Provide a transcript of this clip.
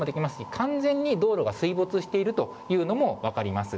完全に道路が水没しているというのが分かります。